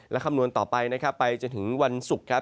และคำนวณต่อไปไปจนถึงวันศุกร์